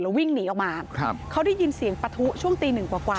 แล้ววิ่งหนีออกมาเขาได้ยินเสียงปะทุช่วงตีหนึ่งกว่า